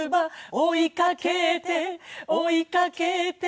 「追いかけて追いかけて」